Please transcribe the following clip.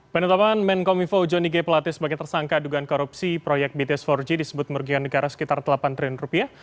pada saat ini men komivo johnny g pelatih sebagai tersangka adukan korupsi proyek bts empat g disebut merugikan negara sekitar delapan triliun rupiah